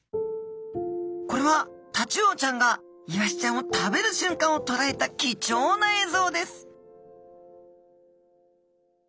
これはタチウオちゃんがイワシちゃんを食べるしゅんかんをとらえた貴重な映像です